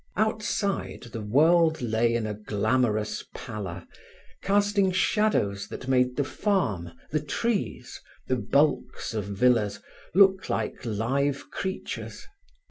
Outside the world lay in a glamorous pallor, casting shadows that made the farm, the trees, the bulks of villas, look like live creatures.